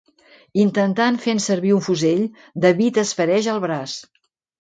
Intentant fent servir un fusell, David es fereix al braç.